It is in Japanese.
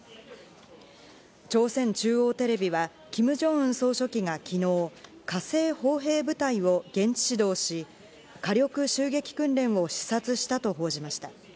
朝鮮中央テレビはキム・ジョンウン総書記が昨日、火星砲兵部隊を現地指導し、火力襲撃訓練を視察したと報じました。